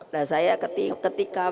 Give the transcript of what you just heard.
dan saya ketika